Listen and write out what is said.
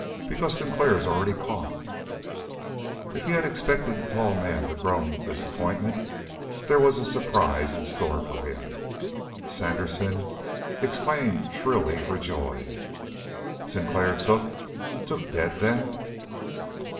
"Because Sinclair's already caught." If he had expected the tall man to groan with disappointment, there was a surprise in store for him. Sandersen exclaimed shrilly for joy. "Sinclair took! Took dead, then!"